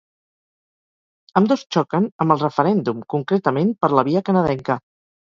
Ambdós xoquen amb el referèndum, concretament per la "via canadenca".